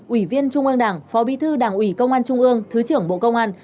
ủy viên trung ương đảng phó bí thư đảng ủy công an trung ương thứ trưởng bộ công an